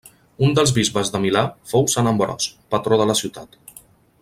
Un dels bisbes de Milà fou sant Ambròs, patró de la ciutat.